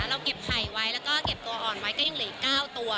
เราเก็บไข่ไว้แล้วก็เก็บตัวอ่อนไว้ก็ยังเหลืออีก๙ตัว